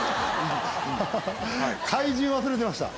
怪人忘れてました。